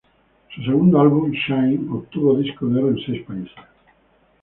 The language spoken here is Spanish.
Su segundo Álbum ""Shine"" obtuvo disco de oro en seis países.